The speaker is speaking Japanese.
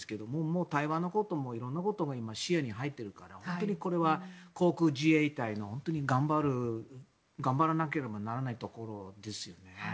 もう台湾のこともいろんなことが視野に入っているから本当にこれは航空自衛隊の本当に頑張らなければならないところですよね。